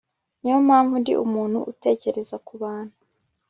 niyo mpamvu ndi umuntu utekereza kubuntu